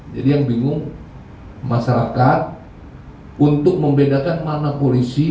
jadi yang bingung masyarakat untuk membedakan mana polisi